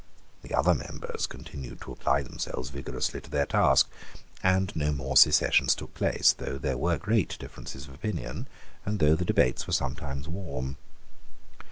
The other members continued to apply themselves vigorously to their task: and no more secessions took place, though there were great differences of opinion, and though the debates were sometimes warm.